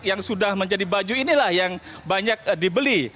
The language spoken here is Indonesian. yang sudah menjadi baju inilah yang banyak dibeli